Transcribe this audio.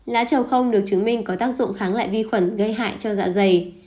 lá trầu không được chứng minh có tác dụng kháng lại vi khuẩn gây hại cho dạ dày